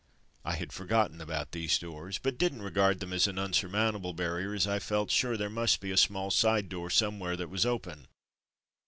I had forgotten about these doors, but didn't regard them as an unsurmountable barrier as I felt sure that there must be a small side door somewhere that was open.